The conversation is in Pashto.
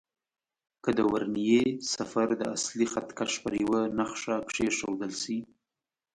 که د ورنيې صفر د اصلي خط کش پر یوه نښه کېښودل شي.